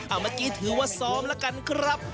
เมื่อกี้ถือว่าซอมละกันครับ